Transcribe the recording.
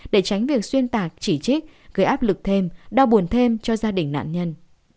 để tránh việc xuyên tạc chỉ trích gây áp lực thêm đau buồn thêm cho gia đình nạn nhân